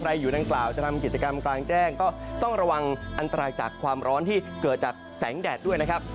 อยู่ดังกล่าวจะทำกิจกรรมกลางแจ้งก็ต้องระวังอันตรายจากความร้อนที่เกิดจากแสงแดดด้วยนะครับ